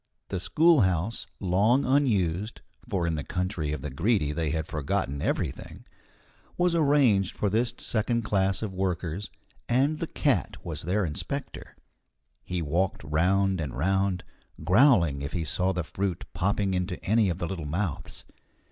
The schoolhouse, long unused (for in the country of the Greedy they had forgotten everything), was arranged for this second class of workers, and the cat was their inspector. He walked round and round, growling if he saw the fruit popping into any of the little mouths.